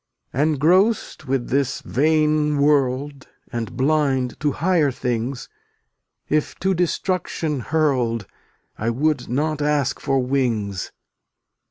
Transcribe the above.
Engrossed with this vain world (F}tt\/\Y And blind to higher things, If to destruction hurled \*}*l' I would not ask for wings.